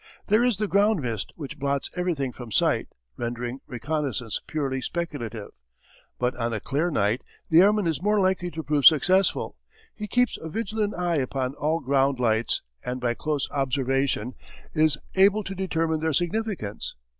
There is the ground mist which blots everything from sight, rendering reconnaissance purely speculative. But on a clear night the airman is more likely to prove successful. He keeps a vigilant eye upon all ground lights and by close observation is able to determine their significance.